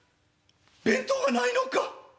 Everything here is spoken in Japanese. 弁当がないのか？